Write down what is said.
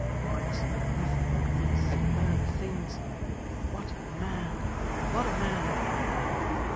Warren smoked nothing but these superb things. What a man! What a man!